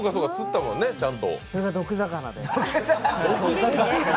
それが毒魚で。